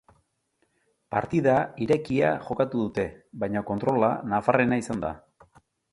Partida irekia jokatu dute, baina kontrola nafarrena izan da.